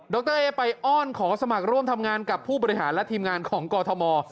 รเอ๊ไปอ้อนขอสมัครร่วมทำงานกับผู้บริหารและทีมงานของกอทม